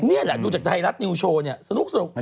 นี่แหละดูจากไทยรัฐนิวโชว์เนี่ยสนุก